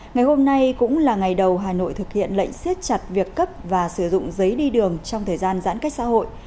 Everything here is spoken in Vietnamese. ngày hôm nay cũng là ngày đầu hà nội thực hiện lệnh siết chặt việc cấp và sử dụng giấy đi đường trong thời gian giãn cách xã hội